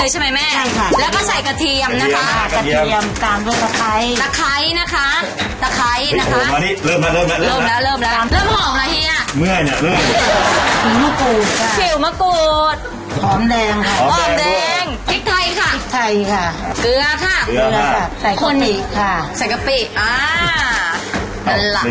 เหลือติดเลยติดพกเลย